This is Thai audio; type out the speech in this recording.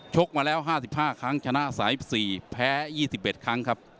กมาแล้ว๕๕ครั้งชนะสาย๑๔แพ้๒๑ครั้งครับ